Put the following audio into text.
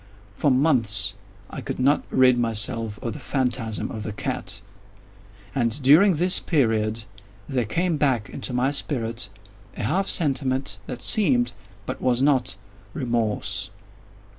For months I could not rid myself of the phantasm of the cat; and, during this period, there came back into my spirit a half sentiment that seemed, but was not, remorse.